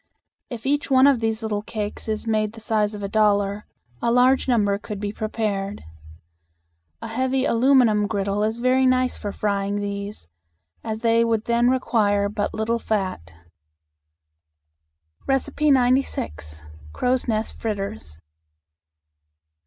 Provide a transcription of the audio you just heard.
If each one of these little cakes is made the size of a dollar, a large number could be prepared. A heavy aluminum griddle is very nice for frying these, as they would then require but little fat. 96. Crow's Nest Fritters.